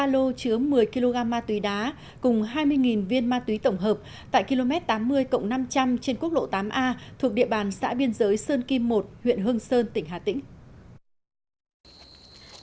ba lô chứa một mươi kg ma túy đá cùng hai mươi viên ma túy tổng hợp tại km tám mươi năm trăm linh trên quốc lộ tám a thuộc địa bàn xã biên giới sơn kim một huyện hương sơn tỉnh hà tĩnh